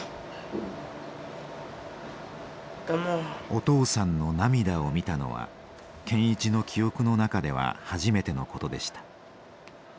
お父さんの涙を見たのは健一の記憶の中では初めてのことでした。